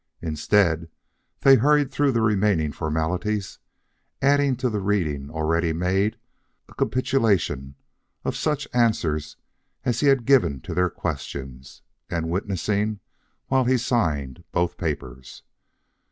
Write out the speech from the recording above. Instead, they hurried through the remaining formalities, adding to the reading already made a capitulation of such answers as he had given to their questions, and witnessing, while he signed both papers.